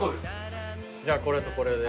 じゃあこれとこれで。